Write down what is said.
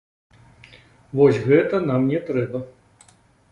Вось гэта нам не трэба.